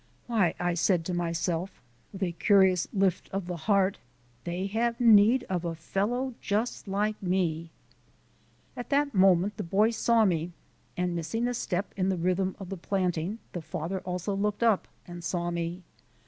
"Why," I said to myself with a curious lift of the heart, "they have need of a fellow just like me." At that moment the boy saw me and, missing a step in the rhythm of the planting, the father also looked up and saw me.